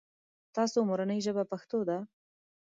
تاسو مورنۍ ژبه پښتو ده ؟